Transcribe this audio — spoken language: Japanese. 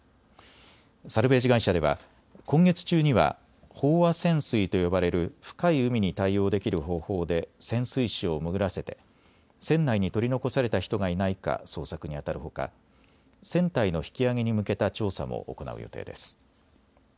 サルベージ会社では今月中には飽和潜水と呼ばれる深い海に対応できる方法で潜水士を潜らせて船内に取り残された人がいないか捜索にあたるほか船体の引き揚げに向けた調査も行う予定です。